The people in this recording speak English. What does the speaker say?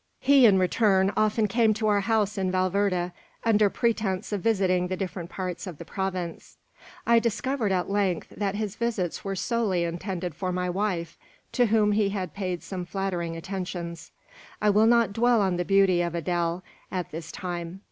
He in return often came to our house in Valverde, under pretence of visiting the different parts of the province. "I discovered, at length, that his visits were solely intended for my wife, to whom he had paid some flattering attentions. "I will not dwell on the beauty of Adele, at this time.